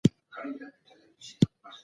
د قيمتونو ټيټوالی هم د عايد پر کچه اغېز لري.